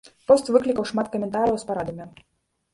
Пост выклікаў шмат каментарыяў з парадамі.